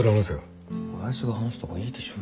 親父が話した方がいいでしょうよ。